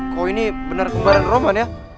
kok ini benar kemarin roman ya